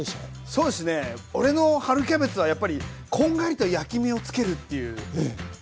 そうですね俺の春キャベツはやっぱりこんがりと焼き目をつけるっていうところっすかね。